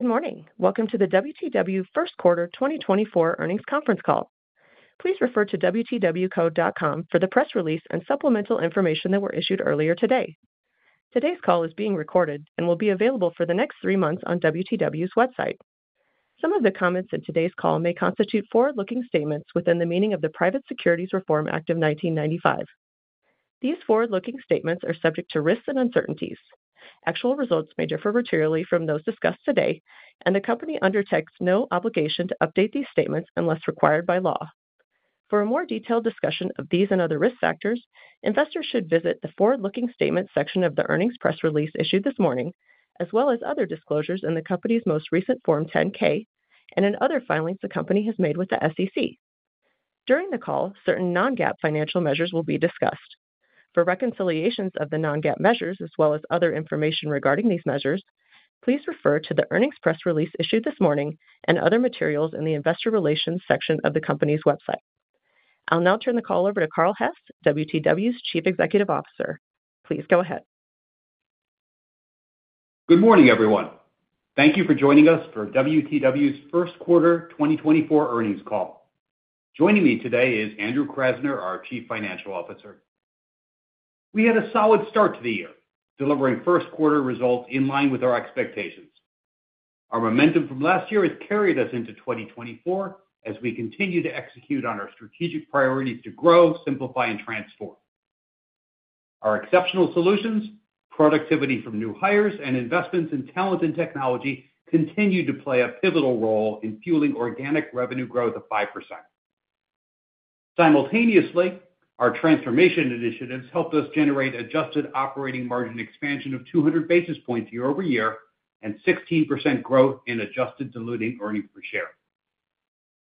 Good morning. Welcome to the WTW first quarter 2024 earnings conference call. Please refer to wtwco.com for the press release and supplemental information that were issued earlier today. Today's call is being recorded and will be available for the next three months on WTW's website. Some of the comments in today's call may constitute forward-looking statements within the meaning of the Private Securities Litigation Reform Act of 1995. These forward-looking statements are subject to risks and uncertainties. Actual results may differ materially from those discussed today, and the company undertakes no obligation to update these statements unless required by law. For a more detailed discussion of these and other risk factors, investors should visit the forward-looking statements section of the earnings press release issued this morning, as well as other disclosures in the company's most recent Form 10-K and in other filings the company has made with the SEC. During the call, certain non-GAAP financial measures will be discussed. For reconciliations of the non-GAAP measures as well as other information regarding these measures, please refer to the earnings press release issued this morning and other materials in the investor relations section of the company's website. I'll now turn the call over to Carl Hess, WTW's Chief Executive Officer. Please go ahead. Good morning, everyone. Thank you for joining us for WTW's first quarter 2024 earnings call. Joining me today is Andrew Krasner, our Chief Financial Officer. We had a solid start to the year, delivering first quarter results in line with our expectations. Our momentum from last year has carried us into 2024 as we continue to execute on our strategic priorities to grow, simplify, and transform. Our exceptional solutions, productivity from new hires, and investments in talent and technology continue to play a pivotal role in fueling organic revenue growth of 5%. Simultaneously, our transformation initiatives helped us generate adjusted operating margin expansion of 200 basis points year-over-year and 16% growth in adjusted diluted earnings per share.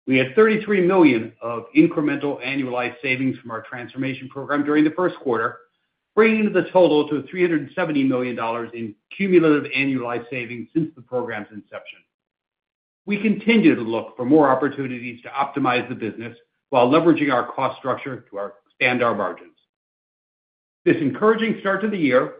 We had $33 million of incremental annualized savings from our transformation program during the first quarter, bringing the total to $370 million in cumulative annualized savings since the program's inception. We continue to look for more opportunities to optimize the business while leveraging our cost structure to expand our margins. This encouraging start to the year,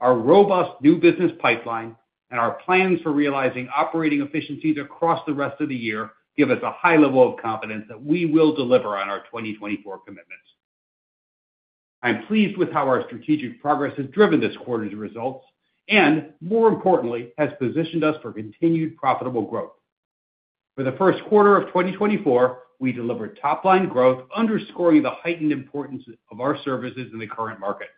our robust new business pipeline, and our plans for realizing operating efficiencies across the rest of the year give us a high level of confidence that we will deliver on our 2024 commitments. I'm pleased with how our strategic progress has driven this quarter's results and, more importantly, has positioned us for continued profitable growth. For the first quarter of 2024, we delivered top-line growth underscoring the heightened importance of our services in the current market.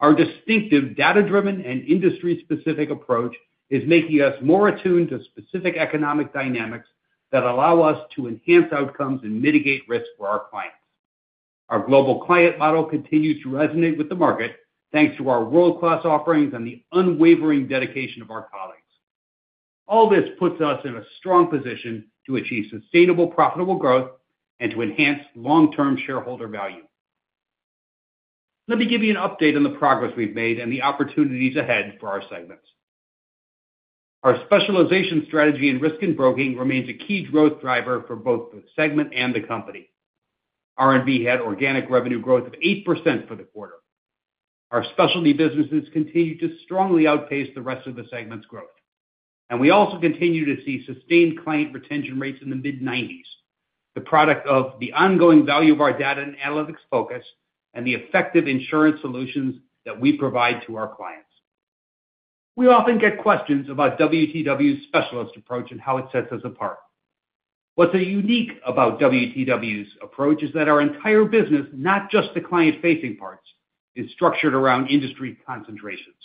Our distinctive data-driven and industry-specific approach is making us more attuned to specific economic dynamics that allow us to enhance outcomes and mitigate risks for our clients. Our global client model continues to resonate with the market thanks to our world-class offerings and the unwavering dedication of our colleagues. All this puts us in a strong position to achieve sustainable profitable growth and to enhance long-term shareholder value. Let me give you an update on the progress we've made and the opportunities ahead for our segments. Our specialization strategy in Risk and Broking remains a key growth driver for both the segment and the company. R&B had organic revenue growth of 8% for the quarter. Our specialty businesses continue to strongly outpace the rest of the segment's growth, and we also continue to see sustained client retention rates in the mid-90s, the product of the ongoing value of our data and analytics focus and the effective insurance solutions that we provide to our clients. We often get questions about WTW's specialist approach and how it sets us apart. What's unique about WTW's approach is that our entire business, not just the client-facing parts, is structured around industry concentrations.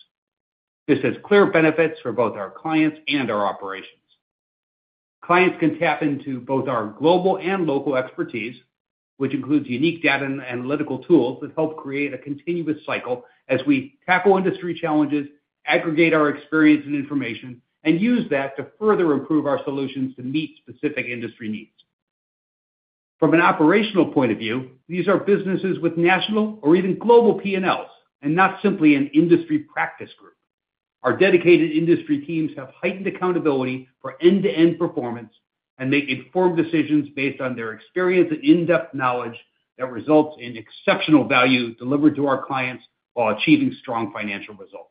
This has clear benefits for both our clients and our operations. Clients can tap into both our global and local expertise, which includes unique data and analytical tools that help create a continuous cycle as we tackle industry challenges, aggregate our experience and information, and use that to further improve our solutions to meet specific industry needs. From an operational point of view, these are businesses with national or even global P&Ls and not simply an industry practice group. Our dedicated industry teams have heightened accountability for end-to-end performance and make informed decisions based on their experience and in-depth knowledge that results in exceptional value delivered to our clients while achieving strong financial results.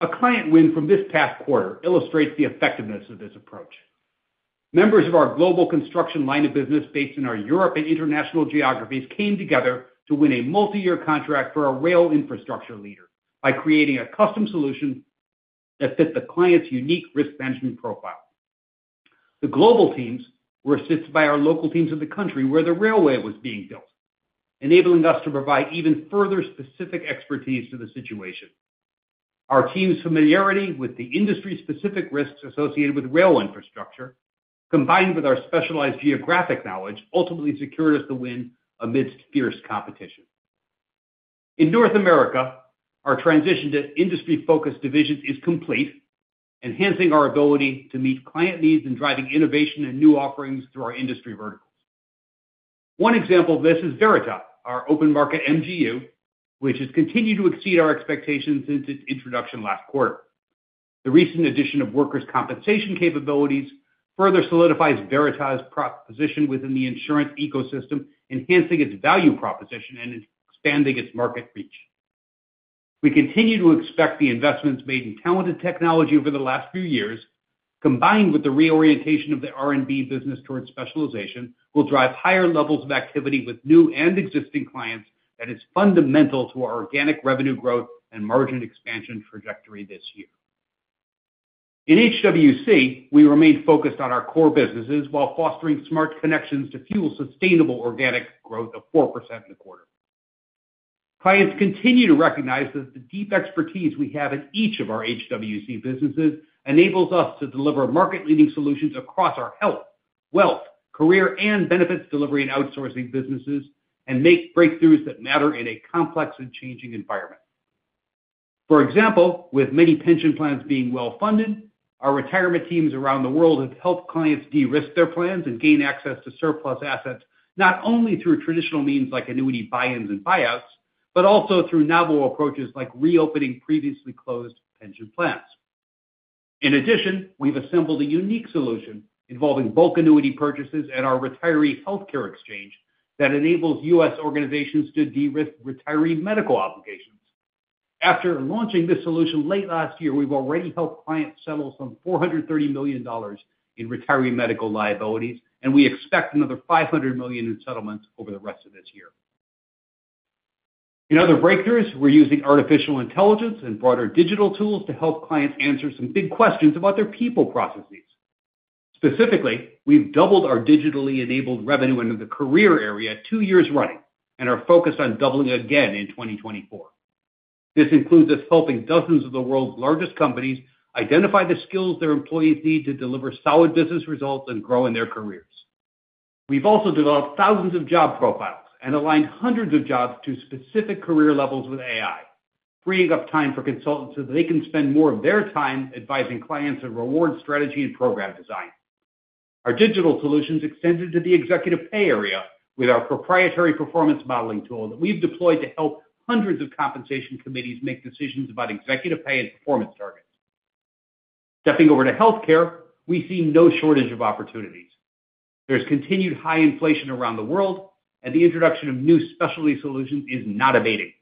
A client win from this past quarter illustrates the effectiveness of this approach. Members of our global construction line of business based in our Europe and International geographies came together to win a multi-year contract for a rail infrastructure leader by creating a custom solution that fit the client's unique risk management profile. The global teams were assisted by our local teams in the country where the railway was being built, enabling us to provide even further specific expertise to the situation. Our team's familiarity with the industry-specific risks associated with rail infrastructure, combined with our specialized geographic knowledge, ultimately secured us the win amidst fierce competition. In North America, our transition to industry-focused divisions is complete, enhancing our ability to meet client needs and driving innovation and new offerings through our industry verticals. One example of this is Verita, our open-market MGU, which has continued to exceed our expectations since its introduction last quarter. The recent addition of workers' compensation capabilities further solidifies Verita's proposition within the insurance ecosystem, enhancing its value proposition and expanding its market reach. We continue to expect the investments made in talent and technology over the last few years, combined with the reorientation of the R&B business towards specialization, will drive higher levels of activity with new and existing clients that is fundamental to our organic revenue growth and margin expansion trajectory this year. In HWC, we remain focused on our core businesses while fostering smart connections to fuel sustainable organic growth of 4% in the quarter. Clients continue to recognize that the deep expertise we have in each of our HWC businesses enables us to deliver market-leading solutions across our Health, Wealth, Career, and Benefits Delivery and Outsourcing businesses and make breakthroughs that matter in a complex and changing environment. For example, with many pension plans being well-funded, our retirement teams around the world have helped clients de-risk their plans and gain access to surplus assets not only through traditional means like annuity buy-ins and buy-outs but also through novel approaches like reopening previously closed pension plans. In addition, we've assembled a unique solution involving bulk annuity purchases and our retiree healthcare exchange that enables U.S. organizations to de-risk retiree medical obligations. After launching this solution late last year, we've already helped clients settle some $430 million in retiree medical liabilities, and we expect another $500 million in settlements over the rest of this year. In other breakthroughs, we're using artificial intelligence and broader digital tools to help clients answer some big questions about their people processes. Specifically, we've doubled our digitally-enabled revenue under the career area two years running and are focused on doubling again in 2024. This includes us helping dozens of the world's largest companies identify the skills their employees need to deliver solid business results and grow in their careers. We've also developed thousands of job profiles and aligned hundreds of jobs to specific career levels with AI, freeing up time for consultants so that they can spend more of their time advising clients on reward strategy and program design. Our digital solutions extended to the executive pay area with our proprietary performance modeling tool that we've deployed to help hundreds of compensation committees make decisions about executive pay and performance targets. Stepping over to healthcare, we see no shortage of opportunities. There's continued high inflation around the world, and the introduction of new specialty solutions is not abating.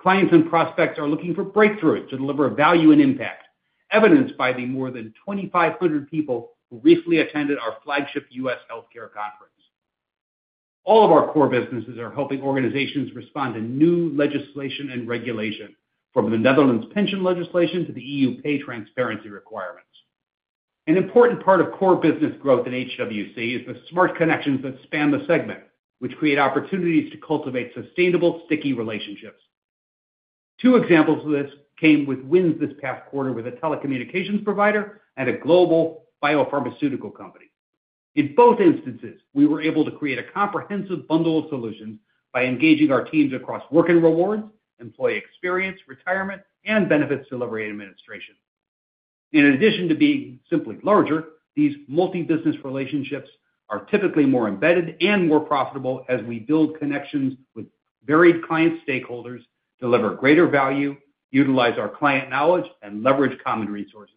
Clients and prospects are looking for breakthroughs to deliver value and impact, evidenced by the more than 2,500 people who recently attended our flagship U.S. healthcare conference. All of our core businesses are helping organizations respond to new legislation and regulation, from the Netherlands pension legislation to the E.U. Pay Transparency requirements. An important part of core business growth in HWC is the smart connections that span the segment, which create opportunities to cultivate sustainable, sticky relationships. Two examples of this came with wins this past quarter with a telecommunications provider and a global biopharmaceutical company. In both instances, we were able to create a comprehensive bundle of solutions by engaging our teams across Work and Rewards, Employee Experience, Retirement, and Benefits Delivery and Administration. In addition to being simply larger, these multi-business relationships are typically more embedded and more profitable as we build connections with varied client stakeholders, deliver greater value, utilize our client knowledge, and leverage common resources.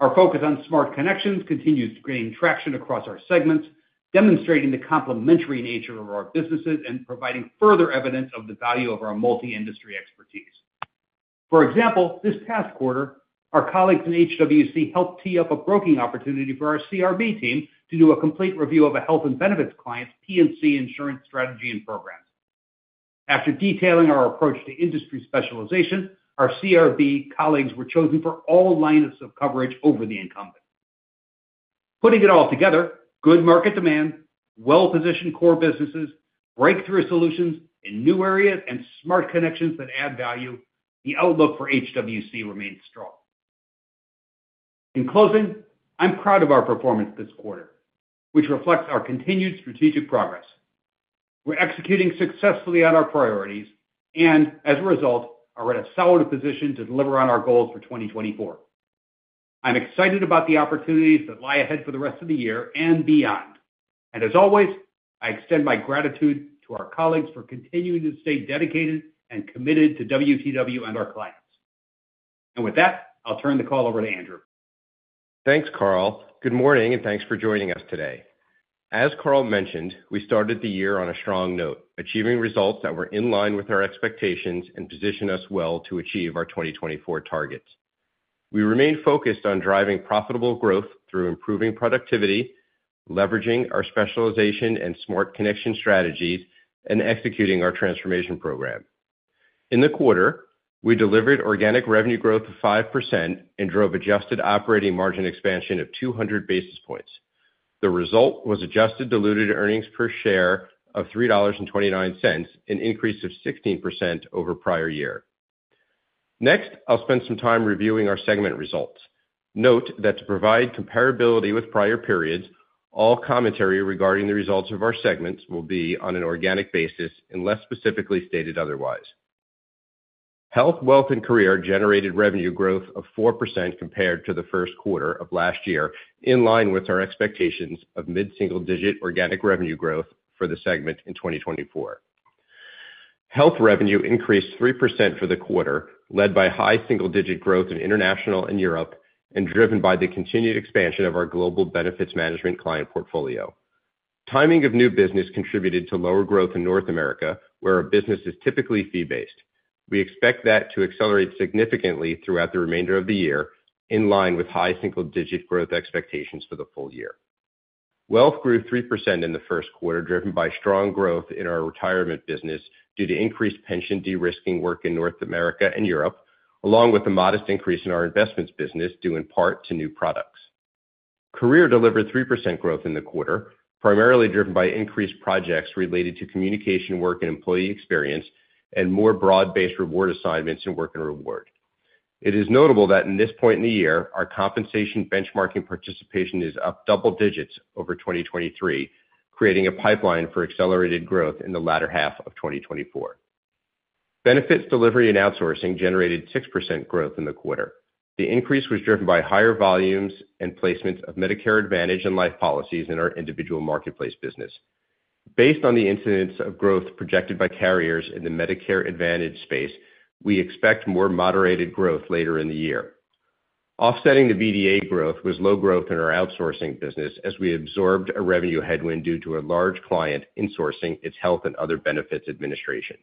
Our focus on smart connections continues to gain traction across our segments, demonstrating the complementary nature of our businesses and providing further evidence of the value of our multi-industry expertise. For example, this past quarter, our colleagues in HWC helped tee up a broking opportunity for our CRB team to do a complete review of a health and benefits client's P&C insurance strategy and programs. After detailing our approach to industry specialization, our CRB colleagues were chosen for all lineups of coverage over the incumbent. Putting it all together, good market demand, well-positioned core businesses, breakthrough solutions in new areas, and smart connections that add value, the outlook for HWC remains strong. In closing, I'm proud of our performance this quarter, which reflects our continued strategic progress. We're executing successfully on our priorities and, as a result, are at a solid position to deliver on our goals for 2024. I'm excited about the opportunities that lie ahead for the rest of the year and beyond. As always, I extend my gratitude to our colleagues for continuing to stay dedicated and committed to WTW and our clients. With that, I'll turn the call over to Andrew. Thanks, Carl. Good morning, and thanks for joining us today. As Carl mentioned, we started the year on a strong note, achieving results that were in line with our expectations and positioned us well to achieve our 2024 targets. We remain focused on driving profitable growth through improving productivity, leveraging our specialization and smart connection strategies, and executing our transformation program. In the quarter, we delivered organic revenue growth of 5% and drove adjusted operating margin expansion of 200 basis points. The result was adjusted diluted earnings per share of $3.29, an increase of 16% over prior year. Next, I'll spend some time reviewing our segment results. Note that to provide comparability with prior periods, all commentary regarding the results of our segments will be on an organic basis unless specifically stated otherwise. Health, Wealth, and Career generated revenue growth of 4% compared to the first quarter of last year, in line with our expectations of mid-single-digit organic revenue growth for the segment in 2024. Health revenue increased 3% for the quarter, led by high single-digit growth in International and Europe and driven by the continued expansion of our Global Benefits Management client portfolio. Timing of new business contributed to lower growth in North America, where a business is typically fee-based. We expect that to accelerate significantly throughout the remainder of the year, in line with high single-digit growth expectations for the full year. Wealth grew 3% in the first quarter, driven by strong growth in our retirement business due to increased pension de-risking work in North America and Europe, along with a modest increase in our investments business due in part to new products. Career delivered 3% growth in the quarter, primarily driven by increased projects related to communication work and employee experience and more broad-based reward assignments and work and reward. It is notable that at this point in the year, our compensation benchmarking participation is up double digits over 2023, creating a pipeline for accelerated growth in the latter half of 2024. Benefits Delivery and Outsourcing generated 6% growth in the quarter. The increase was driven by higher volumes and placements of Medicare Advantage and life policies in our Individual Marketplace business. Based on the incidence of growth projected by carriers in the Medicare Advantage space, we expect more moderated growth later in the year. Offsetting the BDA growth was low growth in our outsourcing business as we absorbed a revenue headwind due to a large client insourcing its health and other benefits administration.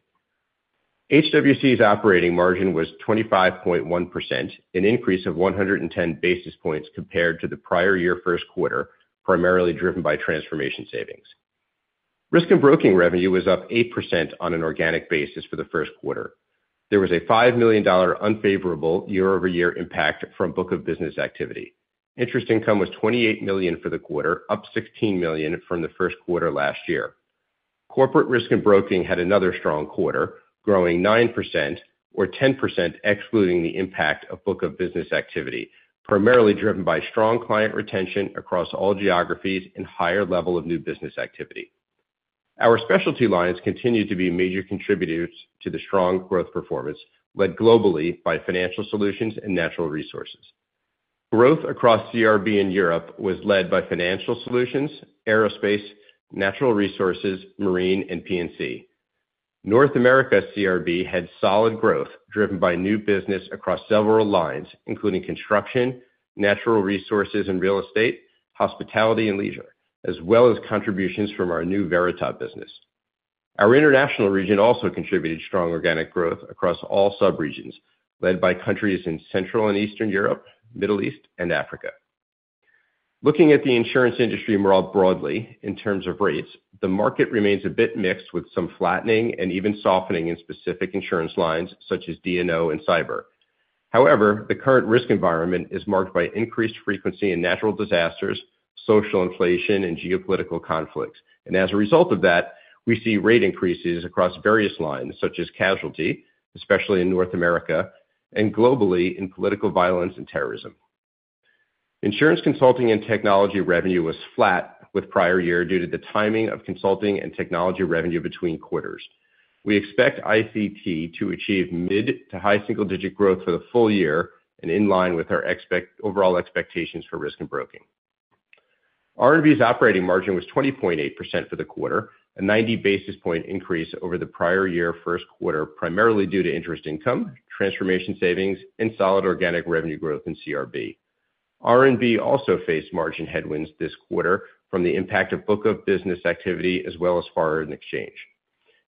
HWC's operating margin was 25.1%, an increase of 110 basis points compared to the prior year first quarter, primarily driven by transformation savings. Risk and Broking revenue was up 8% on an organic basis for the first quarter. There was a $5 million unfavorable year-over-year impact from book of business activity. Interest income was $28 million for the quarter, up $16 million from the first quarter last year. Corporate Risk and Broking had another strong quarter, growing 9% or 10% excluding the impact of book of business activity, primarily driven by strong client retention across all geographies and higher level of new business activity. Our specialty lines continue to be major contributors to the strong growth performance, led globally by Financial Solutions and Natural Resources. Growth across CRB in Europe was led by Financial Solutions, Aerospace, Natural Resources, Marine, and P&C. North America's CRB had solid growth driven by new business across several lines, including Construction, Natural Resources and Real Estate, Hospitality and Leisure, as well as contributions from our new Verita business. Our international region also contributed strong organic growth across all subregions, led by countries in Central and Eastern Europe, Middle East, and Africa. Looking at the insurance industry more broadly in terms of rates, the market remains a bit mixed with some flattening and even softening in specific insurance lines such as D&O and Cyber. However, the current risk environment is marked by increased frequency in natural disasters, social inflation, and geopolitical conflicts. As a result of that, we see rate increases across various lines such as casualty, especially in North America, and globally in political violence and terrorism. Insurance Consulting and Technology revenue was flat with prior year due to the timing of consulting and technology revenue between quarters. We expect ICT to achieve mid- to high single-digit growth for the full year and in line with our overall expectations for Risk and Broking. R&B's operating margin was 20.8% for the quarter, a 90 basis point increase over the prior year first quarter, primarily due to interest income, transformation savings, and solid organic revenue growth in CRB. R&B also faced margin headwinds this quarter from the impact of book of business activity as well as foreign exchange.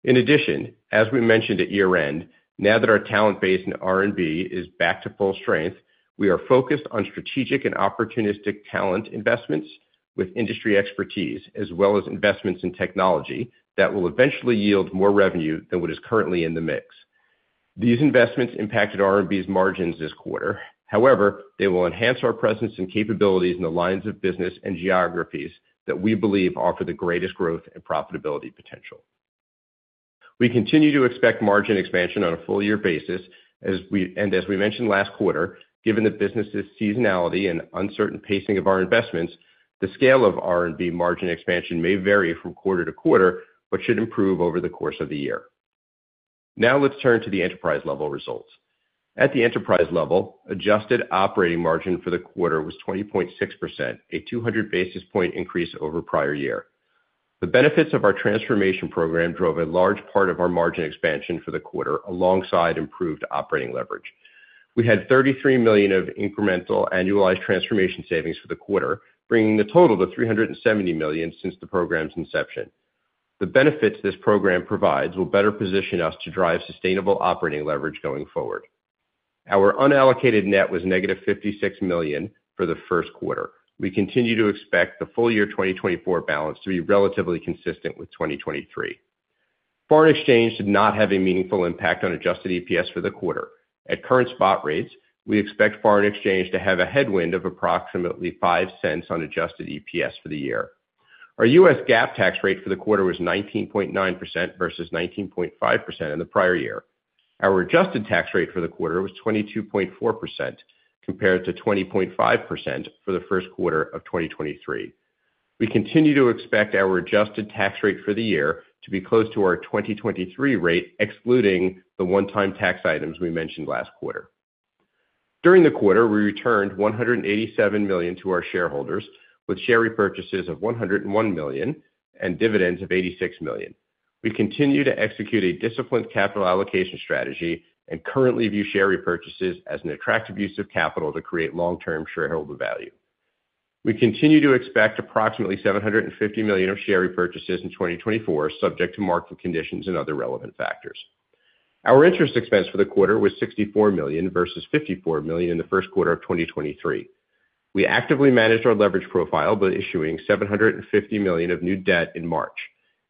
In addition, as we mentioned at year-end, now that our talent base in R&B is back to full strength, we are focused on strategic and opportunistic talent investments with industry expertise as well as investments in technology that will eventually yield more revenue than what is currently in the mix. These investments impacted R&B's margins this quarter. However, they will enhance our presence and capabilities in the lines of business and geographies that we believe offer the greatest growth and profitability potential. We continue to expect margin expansion on a full-year basis. As we mentioned last quarter, given the business's seasonality and uncertain pacing of our investments, the scale of R&B margin expansion may vary from quarter to quarter but should improve over the course of the year. Now let's turn to the enterprise-level results. At the enterprise level, adjusted operating margin for the quarter was 20.6%, a 200 basis point increase over prior year. The benefits of our transformation program drove a large part of our margin expansion for the quarter alongside improved operating leverage. We had $33 million of incremental annualized transformation savings for the quarter, bringing the total to $370 million since the program's inception. The benefits this program provides will better position us to drive sustainable operating leverage going forward. Our unallocated net was negative $56 million for the first quarter. We continue to expect the full-year 2024 balance to be relatively consistent with 2023. Foreign exchange did not have a meaningful impact on adjusted EPS for the quarter. At current spot rates, we expect foreign exchange to have a headwind of approximately $0.05 on adjusted EPS for the year. Our U.S. GAAP tax rate for the quarter was 19.9% versus 19.5% in the prior year. Our adjusted tax rate for the quarter was 22.4% compared to 20.5% for the first quarter of 2023. We continue to expect our adjusted tax rate for the year to be close to our 2023 rate, excluding the one-time tax items we mentioned last quarter. During the quarter, we returned $187 million to our shareholders with share repurchases of $101 million and dividends of $86 million. We continue to execute a disciplined capital allocation strategy and currently view share repurchases as an attractive use of capital to create long-term shareholder value. We continue to expect approximately $750 million of share repurchases in 2024, subject to market conditions and other relevant factors. Our interest expense for the quarter was $64 million versus $54 million in the first quarter of 2023. We actively managed our leverage profile by issuing $750 million of new debt in March.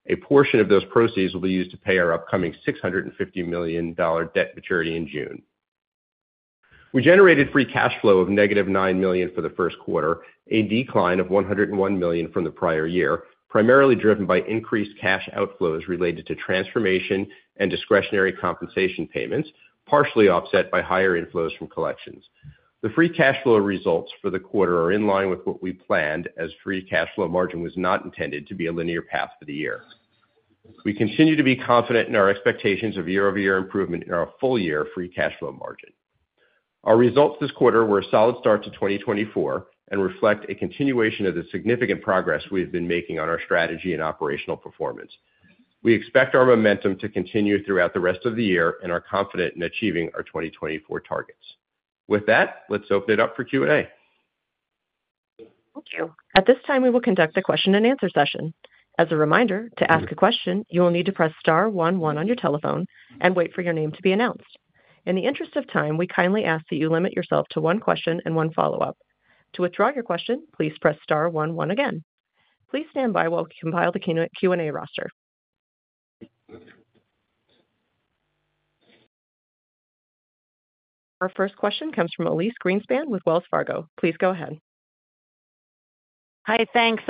A portion of those proceeds will be used to pay our upcoming $650 million debt maturity in June. We generated free cash flow of -$9 million for the first quarter, a decline of $101 million from the prior year, primarily driven by increased cash outflows related to transformation and discretionary compensation payments, partially offset by higher inflows from collections. The free cash flow results for the quarter are in line with what we planned as free cash flow margin was not intended to be a linear path for the year. We continue to be confident in our expectations of year-over-year improvement in our full-year free cash flow margin. Our results this quarter were a solid start to 2024 and reflect a continuation of the significant progress we have been making on our strategy and operational performance. We expect our momentum to continue throughout the rest of the year, and we are confident in achieving our 2024 targets. With that, let's open it up for Q&A. Thank you. At this time, we will conduct a question-and-answer session. As a reminder, to ask a question, you will need to press star 11 on your telephone and wait for your name to be announced. In the interest of time, we kindly ask that you limit yourself to one question and one follow-up. To withdraw your question, please press star 11 again. Please stand by while we compile the Q&A roster. Our first question comes from Elyse Greenspan with Wells Fargo. Please go ahead. Hi, thanks.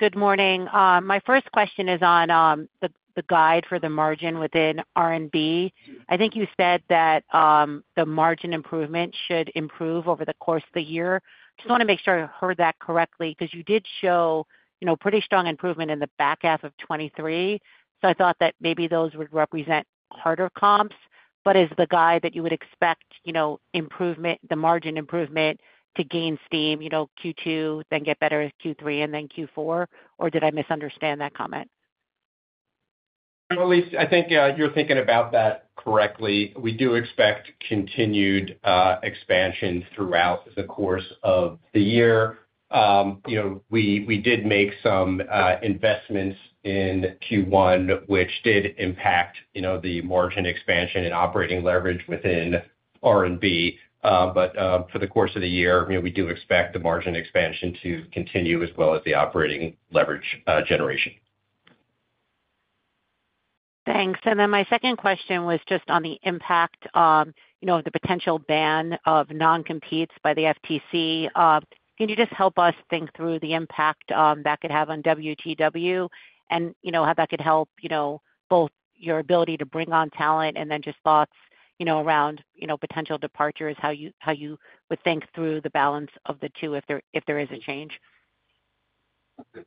Good morning. My first question is on the guide for the margin within R&B. I think you said that the margin improvement should improve over the course of the year. I just want to make sure I heard that correctly because you did show pretty strong improvement in the back half of 2023. So I thought that maybe those would represent harder comps. But is the guide that you would expect the margin improvement to gain steam, Q2, then get better at Q3, and then Q4? Or did I misunderstand that comment? Well, Elyse, I think you're thinking about that correctly. We do expect continued expansion throughout the course of the year. We did make some investments in Q1, which did impact the margin expansion and operating leverage within R&B. But for the course of the year, we do expect the margin expansion to continue as well as the operating leverage generation. Thanks. And then my second question was just on the impact of the potential ban of non-competes by the FTC. Can you just help us think through the impact that could have on WTW and how that could help both your ability to bring on talent and then just thoughts around potential departures, how you would think through the balance of the two if there is a change?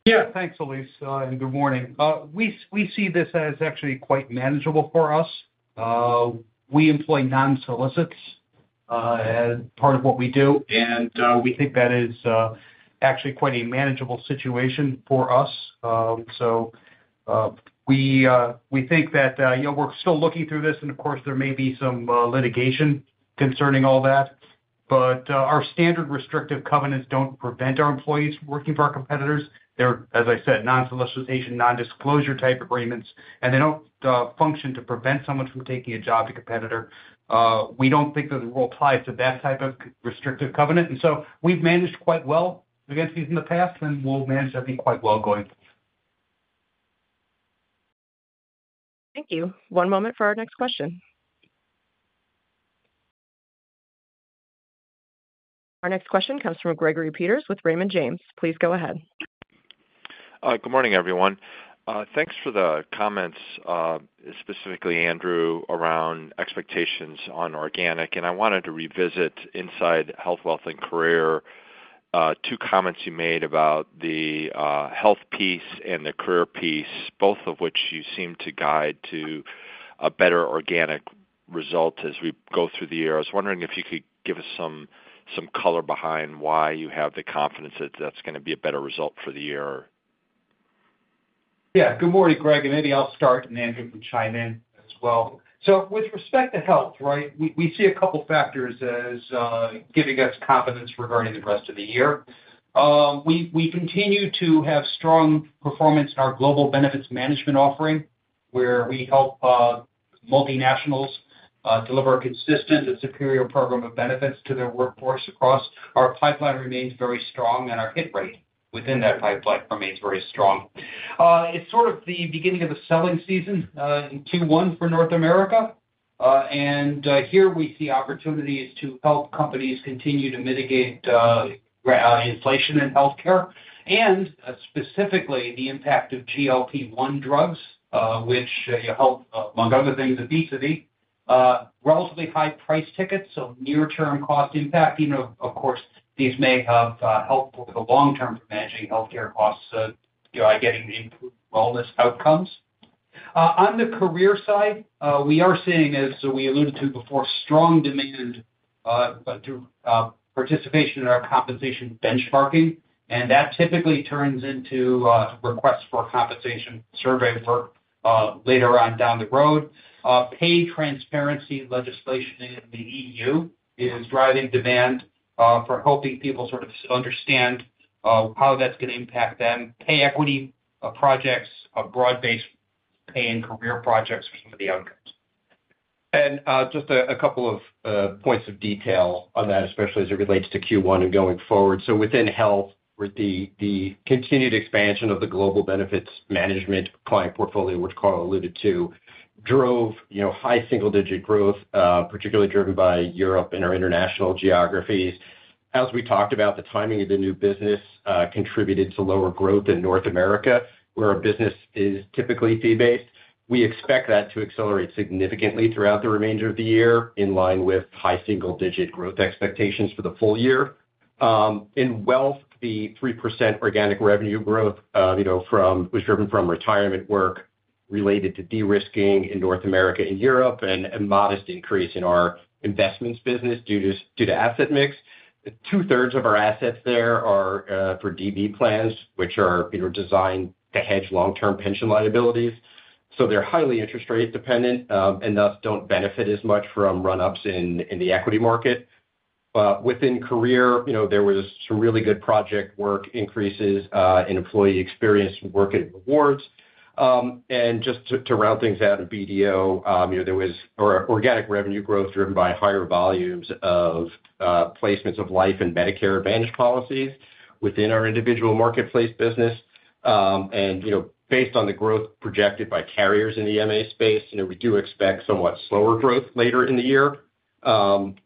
Yeah. Thanks, Elyse. And good morning. We see this as actually quite manageable for us. We employ non-solicits as part of what we do, and we think that is actually quite a manageable situation for us. So we think that we're still looking through this. And of course, there may be some litigation concerning all that. But our standard restrictive covenants don't prevent our employees from working for our competitors. They're, as I said, non-solicitation, non-disclosure type agreements, and they don't function to prevent someone from taking a job to a competitor. We don't think that the rule applies to that type of restrictive covenant. And so we've managed quite well against these in the past, and we'll manage everything quite well going forward. Thank you. One moment for our next question. Our next question comes from Gregory Peters with Raymond James. Please go ahead. Good morning, everyone. Thanks for the comments, specifically, Andrew, around expectations on organic. I wanted to revisit inside Health, Wealth, and Career, two comments you made about the health piece and the career piece, both of which you seem to guide to a better organic result as we go through the year. I was wondering if you could give us some color behind why you have the confidence that that's going to be a better result for the year. Yeah. Good morning, Greg and Andy. I'll start, and Andrew can chime in as well. So with respect to Health, right, we see a couple of factors as giving us confidence regarding the rest of the year. We continue to have strong performance in our Global Benefits Management offering where we help multinationals deliver a consistent and superior program of benefits to their workforce across. Our pipeline remains very strong, and our hit rate within that pipeline remains very strong. It's sort of the beginning of the selling season in Q1 for North America. And here we see opportunities to help companies continue to mitigate inflation in healthcare, and specifically, the impact of GLP-1 drugs, which help, among other things, obesity. Relatively high price tickets, so near-term cost impact. Of course, these may help over the long term for managing healthcare costs by getting improved wellness outcomes. On the career side, we are seeing, as we alluded to before, strong demand to participation in our compensation benchmarking. That typically turns into requests for compensation survey work later on down the road. Pay transparency legislation in the EU is driving demand for helping people sort of understand how that's going to impact them. Pay equity projects, broad-based pay and career projects for some of the outcomes. Just a couple of points of detail on that, especially as it relates to Q1 and going forward. Within health, the continued expansion of the global benefits management client portfolio, which Carl alluded to, drove high single-digit growth, particularly driven by Europe and our international geographies. As we talked about, the timing of the new business contributed to lower growth in North America, where our business is typically fee-based. We expect that to accelerate significantly throughout the remainder of the year in line with high single-digit growth expectations for the full year. In wealth, the 3% organic revenue growth was driven from retirement work related to de-risking in North America and Europe and a modest increase in our investments business due to asset mix. Two-thirds of our assets there are for DB plans, which are designed to hedge long-term pension liabilities. So they're highly interest-rate dependent and thus don't benefit as much from run-ups in the equity market. Within Career, there was some really good project work, increases in employee experience, Work and Rewards. And just to round things out in BDA, there was organic revenue growth driven by higher volumes of placements of life and Medicare Advantage policies within our Individual Marketplace business. And based on the growth projected by carriers in the MA space, we do expect somewhat slower growth later in the year. And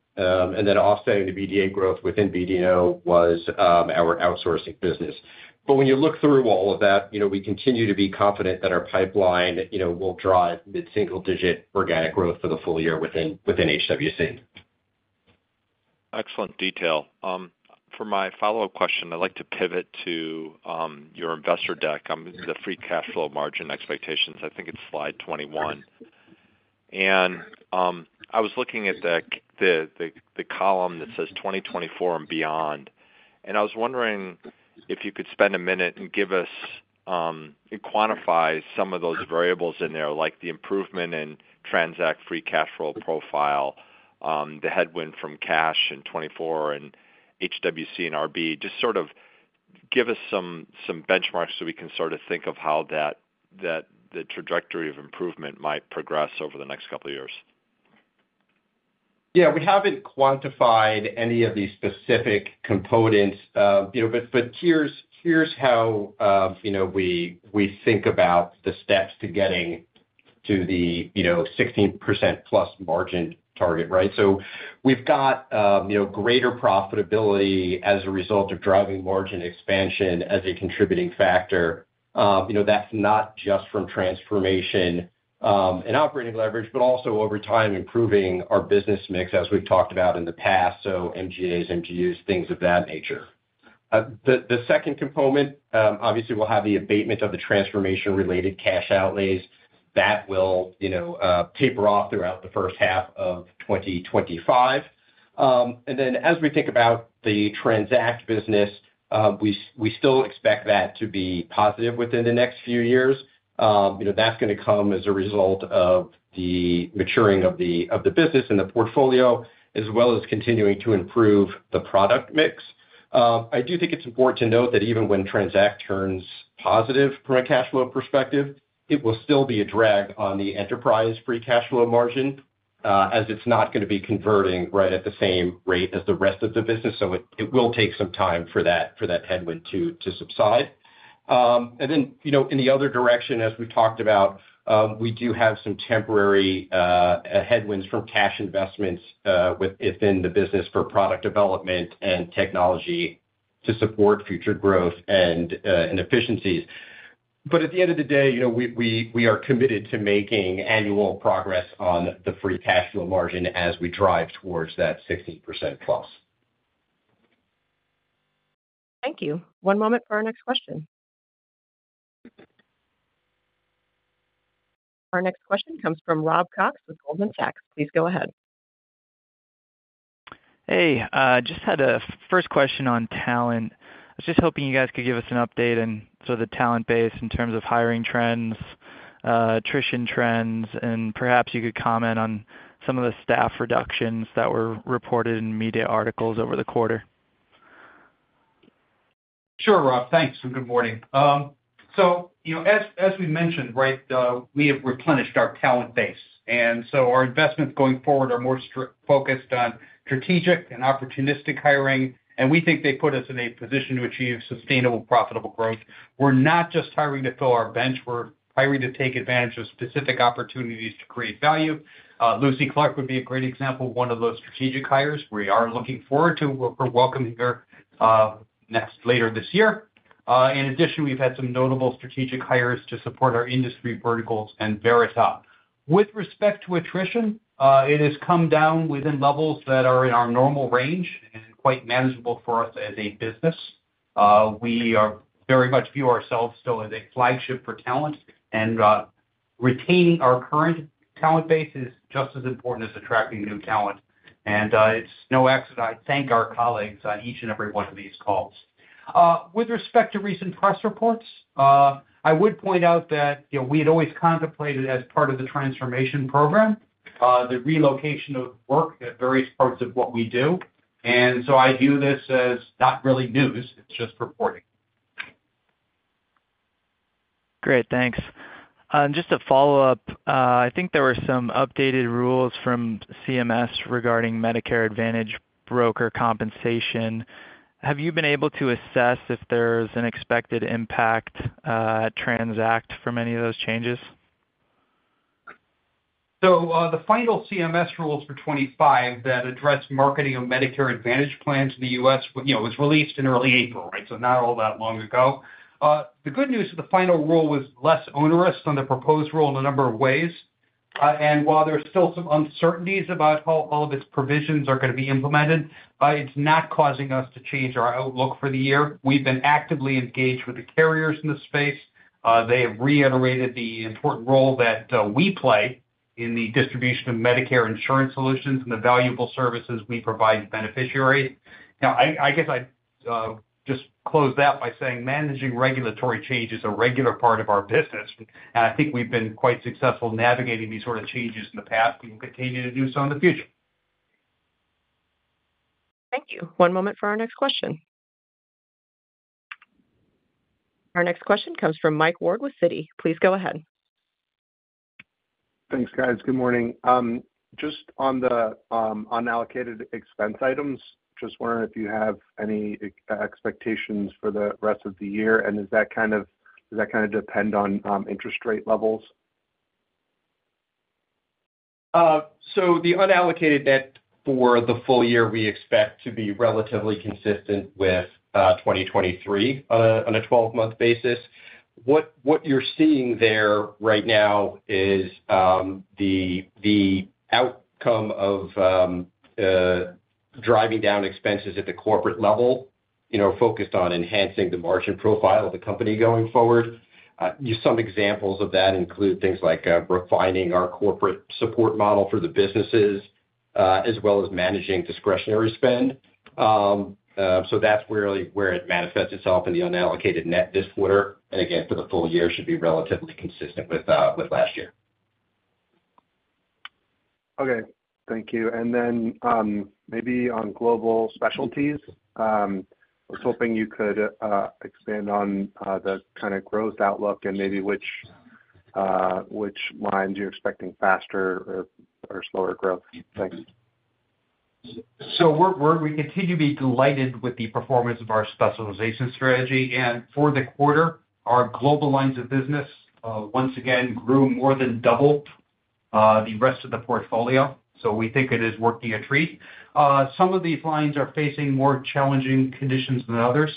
then offsetting the BDA growth within BDA was our outsourcing business. But when you look through all of that, we continue to be confident that our pipeline will drive mid-single-digit organic growth for the full year within HWC. Excellent detail. For my follow-up question, I'd like to pivot to your investor deck, the free cash flow margin expectations. I think it's slide 21. I was looking at the column that says 2024 and beyond. I was wondering if you could spend a minute and quantify some of those variables in there, like the improvement in TRANZACT free cash flow profile, the headwind from cash in 2024 in HWC and RB. Just sort of give us some benchmarks so we can sort of think of how the trajectory of improvement might progress over the next couple of years. Yeah. We haven't quantified any of these specific components. But here's how we think about the steps to getting to the 16%-plus margin target, right? So we've got greater profitability as a result of driving margin expansion as a contributing factor. That's not just from transformation and operating leverage, but also over time, improving our business mix, as we've talked about in the past, so MGAs, MGUs, things of that nature. The second component, obviously, we'll have the abatement of the transformation-related cash outlays. That will taper off throughout the first half of 2025. And then as we think about the TRANZACT business, we still expect that to be positive within the next few years. That's going to come as a result of the maturing of the business and the portfolio, as well as continuing to improve the product mix. I do think it's important to note that even when TRANZACT turns positive from a cash flow perspective, it will still be a drag on the enterprise free cash flow margin as it's not going to be converting right at the same rate as the rest of the business. So it will take some time for that headwind to subside. And then in the other direction, as we've talked about, we do have some temporary headwinds from cash investments within the business for product development and technology to support future growth and efficiencies. But at the end of the day, we are committed to making annual progress on the free cash flow margin as we drive towards that 16%+. Thank you. One moment for our next question. Our next question comes from Rob Cox with Goldman Sachs. Please go ahead. Hey. Just had a first question on talent. I was just hoping you guys could give us an update on sort of the talent base in terms of hiring trends, attrition trends, and perhaps you could comment on some of the staff reductions that were reported in media articles over the quarter. Sure, Rob. Thanks. And good morning. So as we mentioned, right, we have replenished our talent base. And so our investments going forward are more focused on strategic and opportunistic hiring. And we think they put us in a position to achieve sustainable, profitable growth. We're not just hiring to fill our bench. We're hiring to take advantage of specific opportunities to create value. Lucy Clarke would be a great example, one of those strategic hires. We are looking forward to her welcoming her later this year. In addition, we've had some notable strategic hires to support our industry verticals and Verita. With respect to attrition, it has come down within levels that are in our normal range and quite manageable for us as a business. We very much view ourselves still as a flagship for talent. Retaining our current talent base is just as important as attracting new talent. It's no accident I thank our colleagues on each and every one of these calls. With respect to recent press reports, I would point out that we had always contemplated as part of the transformation program the relocation of work at various parts of what we do. So I view this as not really news. It's just reporting. Great. Thanks. And just to follow up, I think there were some updated rules from CMS regarding Medicare Advantage broker compensation. Have you been able to assess if there's an expected impact at TRANZACT from any of those changes? So the final CMS rules for 2025 that address marketing of Medicare Advantage plans in the U.S. was released in early April, right, so not all that long ago. The good news is the final rule was less onerous than the proposed rule in a number of ways. And while there's still some uncertainties about how all of its provisions are going to be implemented, it's not causing us to change our outlook for the year. We've been actively engaged with the carriers in the space. They have reiterated the important role that we play in the distribution of Medicare insurance solutions and the valuable services we provide beneficiaries. Now, I guess I'd just close that by saying managing regulatory change is a regular part of our business. I think we've been quite successful navigating these sort of changes in the past and will continue to do so in the future. Thank you. One moment for our next question. Our next question comes from Mike Ward with Citi. Please go ahead. Thanks, guys. Good morning. Just on allocated expense items, just wondering if you have any expectations for the rest of the year. Does that kind of depend on interest rate levels? So the unallocated net for the full year we expect to be relatively consistent with 2023 on a 12-month basis. What you're seeing there right now is the outcome of driving down expenses at the corporate level, focused on enhancing the margin profile of the company going forward. Some examples of that include things like refining our corporate support model for the businesses, as well as managing discretionary spend. So that's really where it manifests itself in the unallocated net this quarter. And again, for the full year, should be relatively consistent with last year. Okay. Thank you. And then maybe on global specialties, I was hoping you could expand on the kind of growth outlook and maybe which lines you're expecting faster or slower growth. Thanks. So we continue to be delighted with the performance of our specialization strategy. And for the quarter, our global lines of business, once again, grew more than double the rest of the portfolio. So we think it is working a treat. Some of these lines are facing more challenging conditions than others.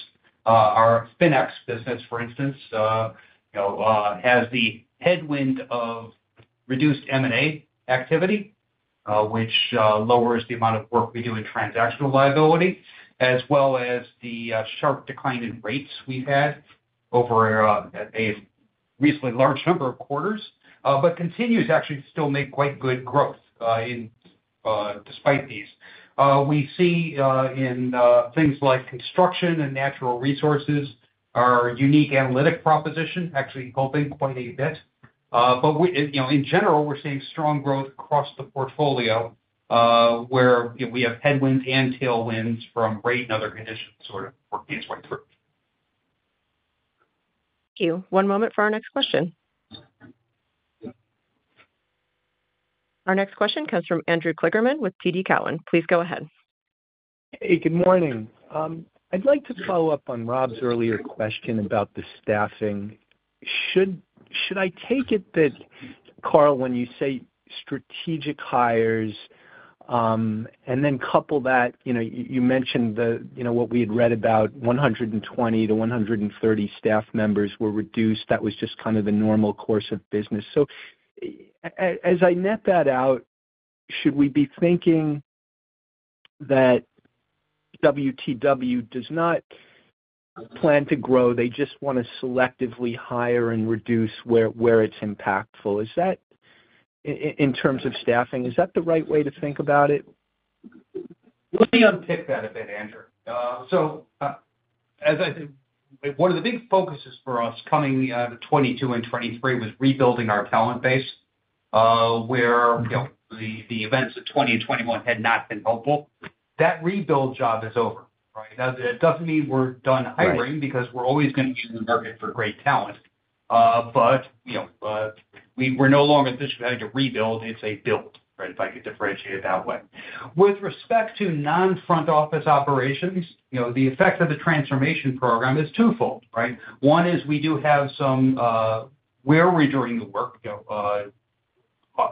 Our FINEX business, for instance, has the headwind of reduced M&A activity, which lowers the amount of work we do in transactional liability, as well as the sharp decline in rates we've had over a reasonably large number of quarters, but continues actually to still make quite good growth despite these. We see in things like Construction and Natural Resources our unique analytic proposition actually helping quite a bit. But in general, we're seeing strong growth across the portfolio where we have headwinds and tailwinds from rate and other conditions sort of working its way through. Thank you. One moment for our next question. Our next question comes from Andrew Kligerman with TD Cowen. Please go ahead. Hey. Good morning. I'd like to follow up on Rob's earlier question about the staffing. Should I take it that, Carl, when you say strategic hires and then couple that you mentioned what we had read about 120-130 staff members were reduced? That was just kind of the normal course of business. So as I net that out, should we be thinking that WTW does not plan to grow? They just want to selectively hire and reduce where it's impactful. In terms of staffing, is that the right way to think about it? Let me unpick that a bit, Andrew. So as I said, one of the big focuses for us coming to 2022 and 2023 was rebuilding our talent base, where the events of 2020 and 2021 had not been helpful. That rebuild job is over, right? Now, that doesn't mean we're done hiring because we're always going to use the market for great talent. But we're no longer just having to rebuild. It's a build, right, if I could differentiate it that way. With respect to non-front office operations, the effect of the transformation program is twofold, right? One is we do have somewhere we're doing the work,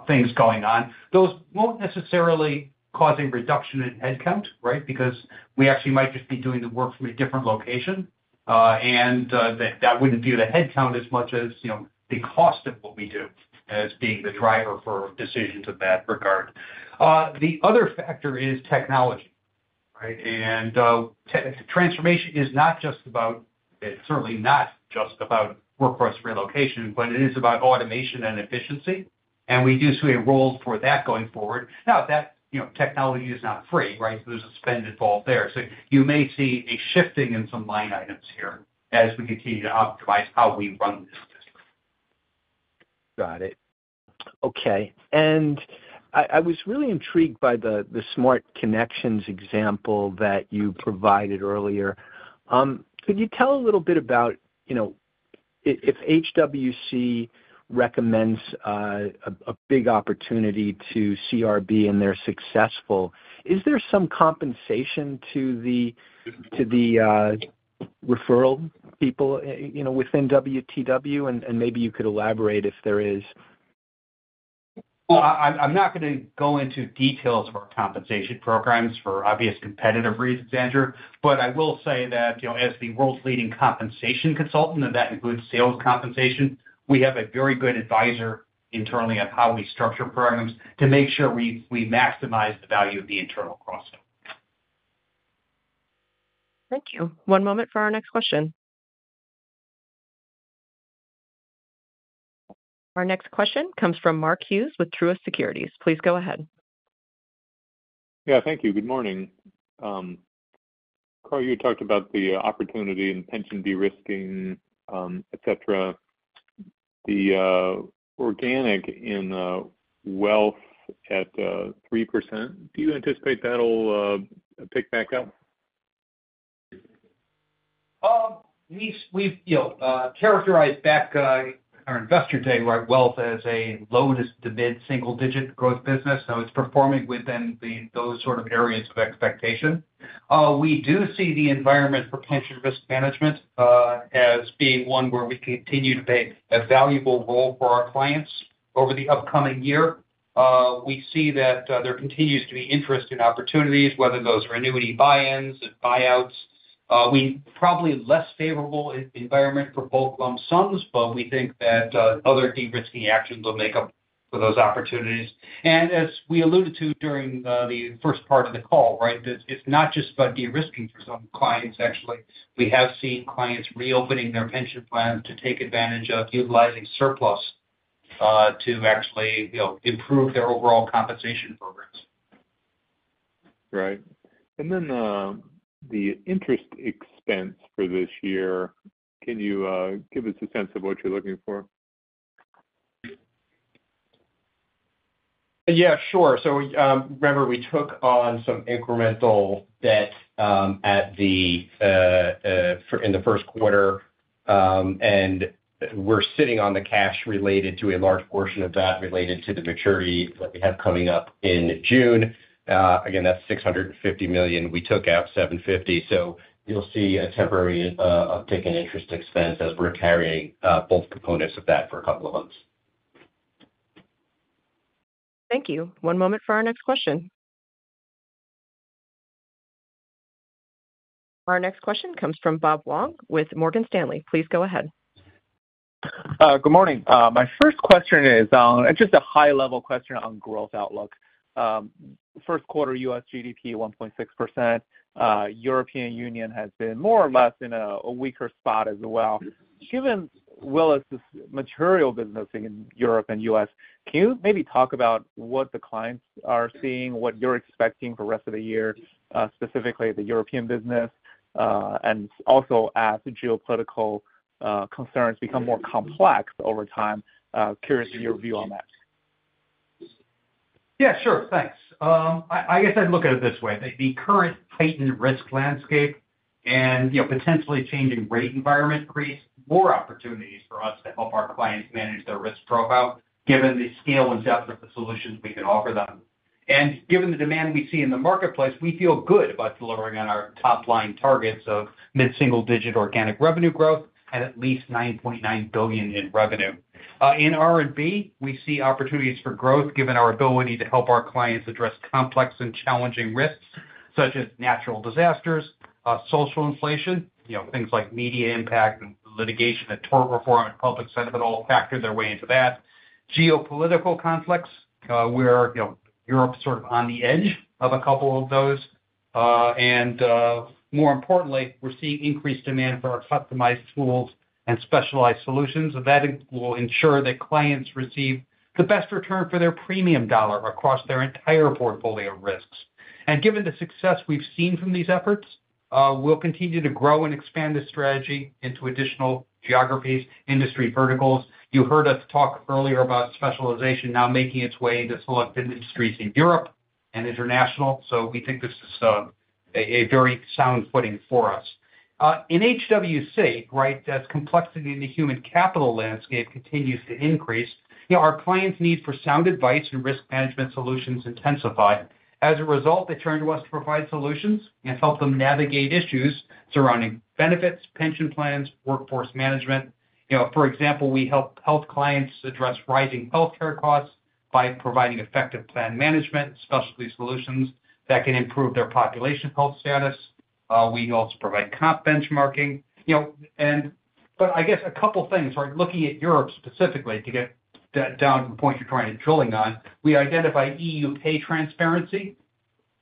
things going on. Those won't necessarily cause a reduction in headcount, right, because we actually might just be doing the work from a different location. That wouldn't view the headcount as much as the cost of what we do as being the driver for decisions in that regard. The other factor is technology, right? Transformation is not just about. It's certainly not just about workforce relocation, but it is about automation and efficiency. We do see a role for that going forward. Now, technology is not free, right? There's a spend involved there. You may see a shifting in some line items here as we continue to optimize how we run this business. Got it. Okay. And I was really intrigued by the smart connections example that you provided earlier. Could you tell a little bit about if HWC recommends a big opportunity to CRB and they're successful, is there some compensation to the referral people within WTW? And maybe you could elaborate if there is? Well, I'm not going to go into details of our compensation programs for obvious competitive reasons, Andrew. But I will say that as the world's leading compensation consultant, and that includes sales compensation, we have a very good advisor internally on how we structure programs to make sure we maximize the value of the internal cross-sell. Thank you. One moment for our next question. Our next question comes from Mark Hughes with Truist Securities. Please go ahead. Yeah. Thank you. Good morning. Carl, you had talked about the opportunity and pension de-risking, etc. The organic in wealth at 3%, do you anticipate that'll pick back up? We've characterized at our investor day, right, wealth as a low- to mid-single-digit growth business. So it's performing within those sort of areas of expectation. We do see the environment for pension risk management as being one where we continue to play a valuable role for our clients over the upcoming year. We see that there continues to be interest in opportunities, whether those are annuity buy-ins and buyouts. We probably have a less favorable environment for bulk lump sums, but we think that other de-risking actions will make up for those opportunities. And as we alluded to during the first part of the call, right, it's not just about de-risking for some clients, actually. We have seen clients reopening their pension plans to take advantage of utilizing surplus to actually improve their overall compensation programs. Right. And then the interest expense for this year, can you give us a sense of what you're looking for? Yeah. Sure. So remember, we took on some incremental debt in the first quarter. We're sitting on the cash related to a large portion of that related to the maturity that we have coming up in June. Again, that's $650 million. We took out $750 million. You'll see a temporary uptick in interest expense as we're carrying both components of that for a couple of months. Thank you. One moment for our next question. Our next question comes from Bob Huang with Morgan Stanley. Please go ahead. Good morning. My first question is just a high-level question on growth outlook. First quarter U.S. GDP, 1.6%. European Union has been more or less in a weaker spot as well. Given Willis's material business in Europe and U.S., can you maybe talk about what the clients are seeing, what you're expecting for the rest of the year, specifically the European business, and also as geopolitical concerns become more complex over time? Curious to hear your view on that? Yeah. Sure. Thanks. I guess I'd look at it this way. The current heightened risk landscape and potentially changing rate environment creates more opportunities for us to help our clients manage their risk profile given the scale and depth of the solutions we can offer them. And given the demand we see in the marketplace, we feel good about delivering on our top-line targets of mid-single-digit organic revenue growth and at least $9.9 billion in revenue. In R&B, we see opportunities for growth given our ability to help our clients address complex and challenging risks such as natural disasters, social inflation, things like media impact and litigation and tort reform and public sentiment all factor their way into that, geopolitical conflicts where Europe's sort of on the edge of a couple of those. And more importantly, we're seeing increased demand for our customized tools and specialized solutions. That will ensure that clients receive the best return for their premium dollar across their entire portfolio of risks. Given the success we've seen from these efforts, we'll continue to grow and expand this strategy into additional geographies, industry verticals. You heard us talk earlier about specialization now making its way into selected industries in Europe and International. We think this is a very sound footing for us. In HWC, right, as complexity in the human capital landscape continues to increase, our clients' need for sound advice and risk management solutions intensify. As a result, they turn to us to provide solutions and help them navigate issues surrounding benefits, pension plans, workforce management. For example, we help health clients address rising healthcare costs by providing effective plan management, specialty solutions that can improve their population health status. We also provide comp benchmarking. But I guess a couple of things, right, looking at Europe specifically to get down to the point you're kind of drilling on, we identify EU Pay Transparency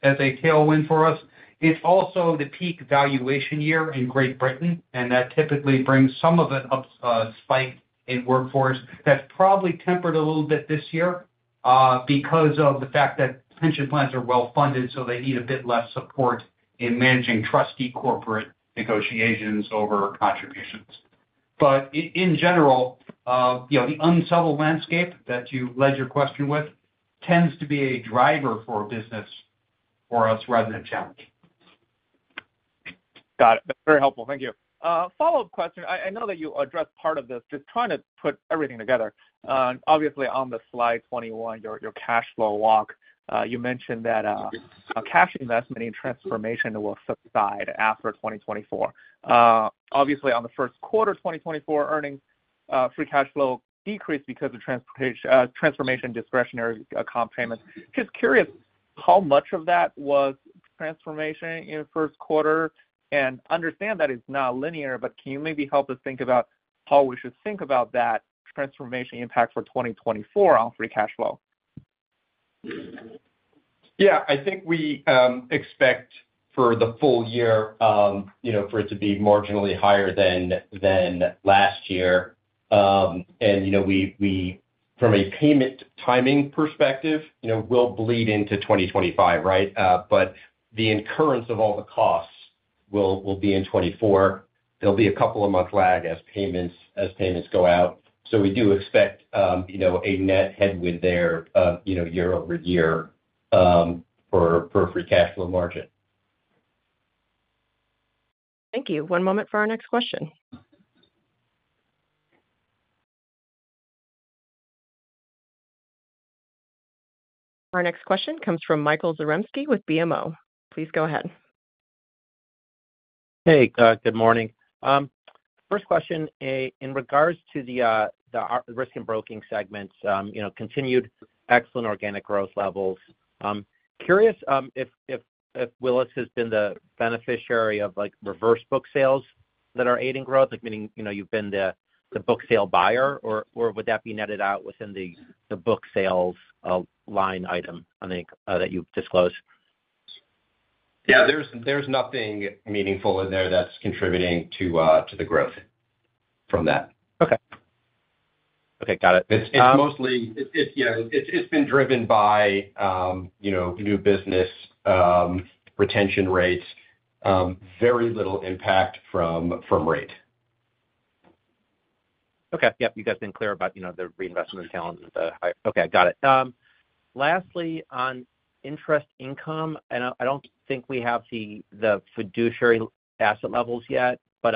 as a tailwind for us. It's also the peak valuation year in Great Britain. And that typically brings some of a spike in workforce that's probably tempered a little bit this year because of the fact that pension plans are well-funded, so they need a bit less support in managing trustee-corporate negotiations over contributions. But in general, the unsettled landscape that you led your question with tends to be a driver for a business for us rather than a challenge. Got it. That's very helpful. Thank you. Follow-up question. I know that you addressed part of this, just trying to put everything together. Obviously, on the slide 21, your cash flow walk, you mentioned that cash investment in transformation will subside after 2024. Obviously, on the first quarter 2024, earnings, free cash flow decreased because of transformation, discretionary comp payments. Just curious how much of that was transformation in the first quarter. And understand that it's not linear, but can you maybe help us think about how we should think about that transformation impact for 2024 on free cash flow? Yeah. I think we expect for the full year for it to be marginally higher than last year. And from a payment timing perspective, we'll bleed into 2025, right? But the incurrence of all the costs will be in 2024. There'll be a couple of months lag as payments go out. So we do expect a net headwind there year over year for free cash flow margin. Thank you. One moment for our next question. Our next question comes from Michael Zaremski with BMO. Please go ahead. Hey. Good morning. First question, in regards to the Risk and Broking segments, continued excellent organic growth levels. Curious if Willis has been the beneficiary of reverse book sales that are aiding growth, meaning you've been the book sale buyer, or would that be netted out within the book sales line item that you've disclosed? Yeah. There's nothing meaningful in there that's contributing to the growth from that. Okay. Okay. Got it. Yeah. It's been driven by new business retention rates, very little impact from rate. Okay. Yep. You guys have been clear about the reinvestment of talent and the higher okay. Got it. Lastly, on interest income, and I don't think we have the fiduciary asset levels yet, but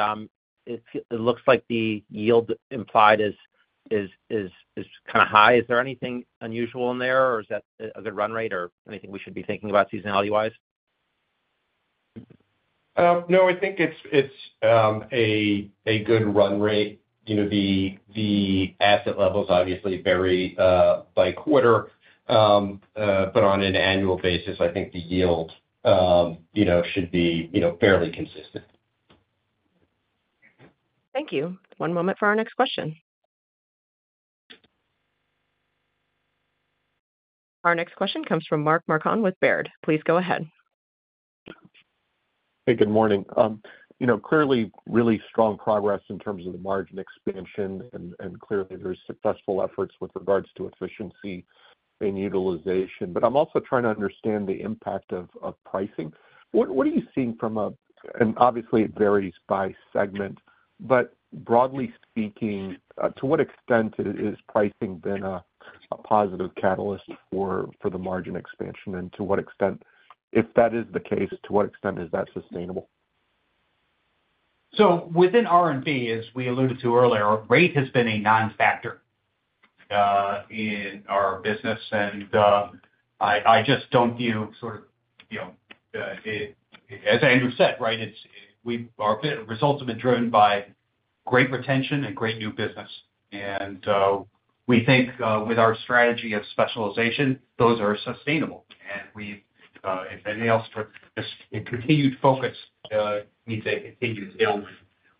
it looks like the yield implied is kind of high. Is there anything unusual in there, or is that a good run rate, or anything we should be thinking about seasonality-wise? No. I think it's a good run rate. The asset levels obviously vary by quarter. But on an annual basis, I think the yield should be fairly consistent. Thank you. One moment for our next question. Our next question comes from Mark Marcon with Baird. Please go ahead. Hey. Good morning. Clearly, really strong progress in terms of the margin expansion. And clearly, there are successful efforts with regards to efficiency and utilization. But I'm also trying to understand the impact of pricing. What are you seeing? And obviously, it varies by segment. But broadly speaking, to what extent has pricing been a positive catalyst for the margin expansion? And to what extent, if that is the case, to what extent is that sustainable? So within R&B, as we alluded to earlier, rate has been a non-factor in our business. And I just don't view sort of as Andrew said, right, our results have been driven by great retention and great new business. And we think with our strategy of specialization, those are sustainable. And if anything else, just a continued focus means a continued tailwind.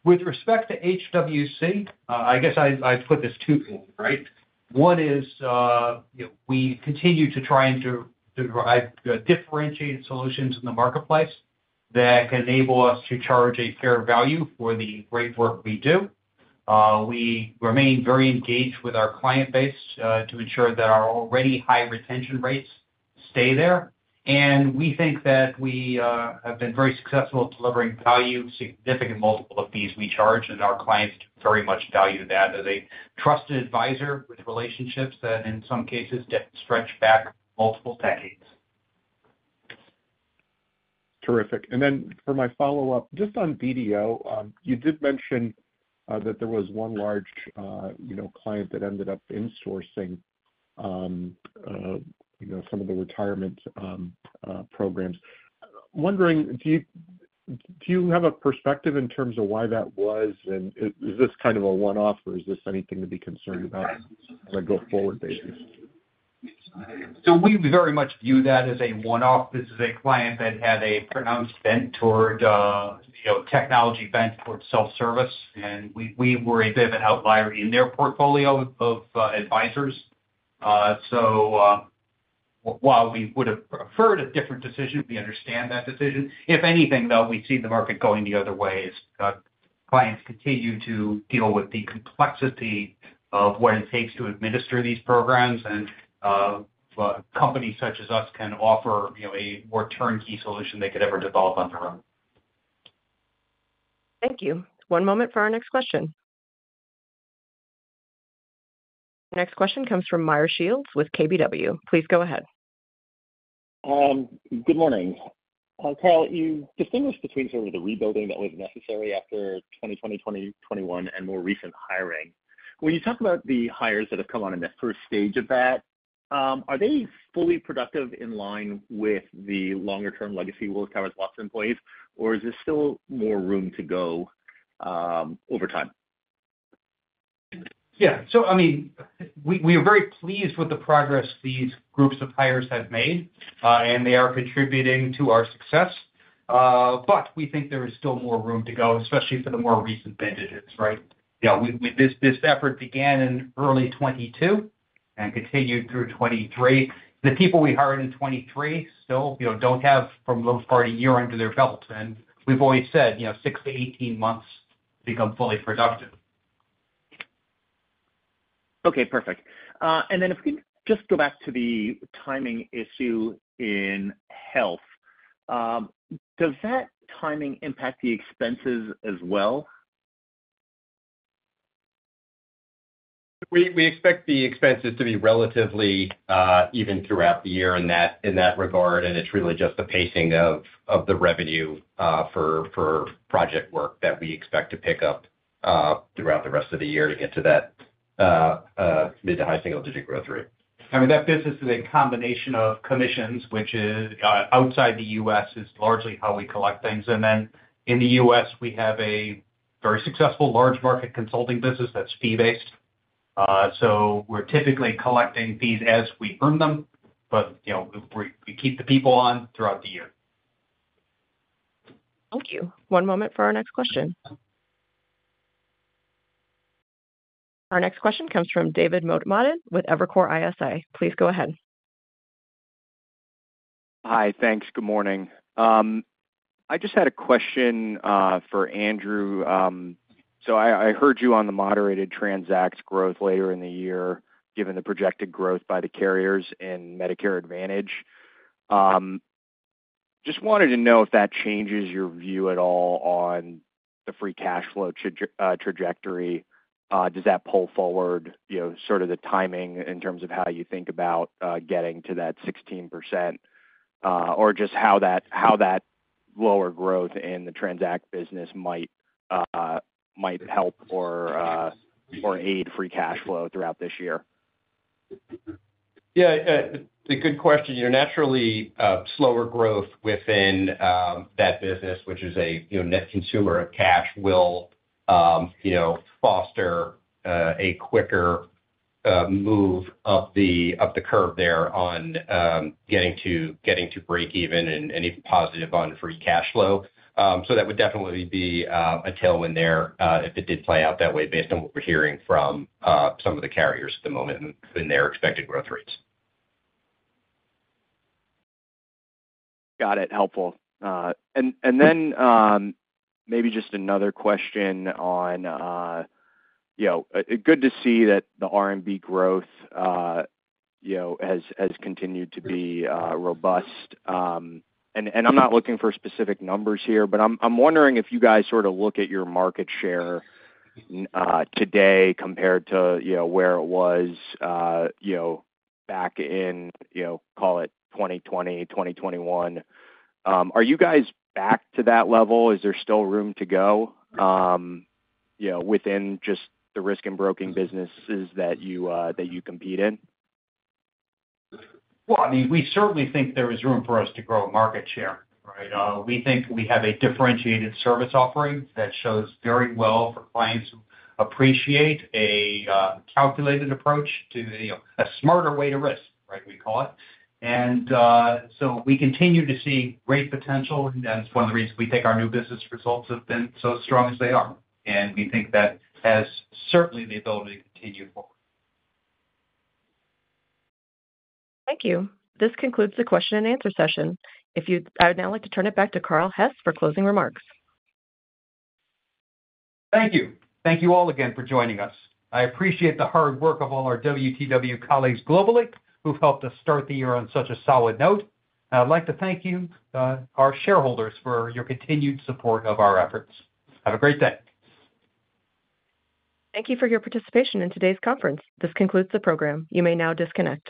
With respect to HWC, I guess I'd put this two-fold, right? One is we continue to try and derive differentiated solutions in the marketplace that can enable us to charge a fair value for the great work we do. We remain very engaged with our client base to ensure that our already high retention rates stay there. And we think that we have been very successful at delivering value, significant multiple of these we charge. Our clients very much value that as a trusted advisor with relationships that, in some cases, stretch back multiple decades. Terrific. And then for my follow-up, just on BDA, you did mention that there was one large client that ended up insourcing some of the retirement programs. Wondering, do you have a perspective in terms of why that was? And is this kind of a one-off, or is this anything to be concerned about on a go-forward basis? So we very much view that as a one-off. This is a client that had a pronounced technology bent towards self-service. And we were a bit of an outlier in their portfolio of advisors. So while we would have preferred a different decision, we understand that decision. If anything, though, we see the market going the other way. Clients continue to deal with the complexity of what it takes to administer these programs. And companies such as us can offer a more turnkey solution they could ever develop on their own. Thank you. One moment for our next question. Next question comes from Meyer Shields with KBW. Please go ahead. Good morning. Carl, you distinguished between sort of the rebuilding that was necessary after 2020, 2021, and more recent hiring. When you talk about the hires that have come on in the first stage of that, are they fully productive in line with the longer-term legacy Willis Towers Watson employees, or is there still more room to go over time? Yeah. So I mean, we are very pleased with the progress these groups of hires have made. And they are contributing to our success. But we think there is still more room to go, especially for the more recent batches, right? This effort began in early 2022 and continued through 2023. The people we hired in 2023 still don't have, for the most part, a year under their belt. And we've always said 6-18 months become fully productive. Okay. Perfect. And then if we can just go back to the timing issue in health, does that timing impact the expenses as well? We expect the expenses to be relatively even throughout the year in that regard. It's really just the pacing of the revenue for project work that we expect to pick up throughout the rest of the year to get to that mid to high single-digit growth rate. I mean, that business is a combination of commissions, which, outside the U.S., is largely how we collect things. And then in the U.S., we have a very successful large-market consulting business that's fee-based. So we're typically collecting fees as we earn them. But we keep the people on throughout the year. Thank you. One moment for our next question. Our next question comes from David Motemaden with Evercore ISI. Please go ahead. Hi. Thanks. Good morning. I just had a question for Andrew. So I heard you on the moderated TRANZACT's growth later in the year given the projected growth by the carriers and Medicare Advantage. Just wanted to know if that changes your view at all on the free cash flow trajectory. Does that pull forward sort of the timing in terms of how you think about getting to that 16% or just how that lower growth in the TRANZACT business might help or aid free cash flow throughout this year? Yeah. Good question. Naturally, slower growth within that business, which is a net consumer of cash, will foster a quicker move up the curve there on getting to break even and even positive on free cash flow. So that would definitely be a tailwind there if it did play out that way based on what we're hearing from some of the carriers at the moment and their expected growth rates. Got it. Helpful. Then maybe just another question on good to see that the R&B growth has continued to be robust. I'm not looking for specific numbers here, but I'm wondering if you guys sort of look at your market share today compared to where it was back in, call it, 2020, 2021, are you guys back to that level? Is there still room to go within just the Risk and Broking businesses that you compete in? Well, I mean, we certainly think there is room for us to grow market share, right? We think we have a differentiated service offering that shows very well for clients who appreciate a calculated approach to a Smarter Way to Risk, right, we call it. And so we continue to see great potential. And that's one of the reasons we think our new business results have been so strong as they are. And we think that has certainly the ability to continue forward. Thank you. This concludes the question-and-answer session. I would now like to turn it back to Carl Hess for closing remarks. Thank you. Thank you all again for joining us. I appreciate the hard work of all our WTW colleagues globally who've helped us start the year on such a solid note. I'd like to thank you, our shareholders, for your continued support of our efforts. Have a great day. Thank you for your participation in today's conference. This concludes the program. You may now disconnect.